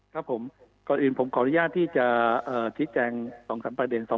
ครับผมก่อนอื่นผมขออนุญาตที่จะชี้แจง๒๓ประเด็น